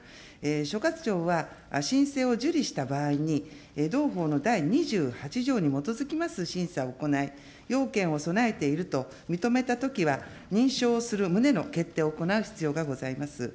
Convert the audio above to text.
所轄庁は申請を受理した場合に、同法の第２８条に基づきます審査を行い、要件を備えていると認めたときは、認証をする旨の決定を行う必要がございます。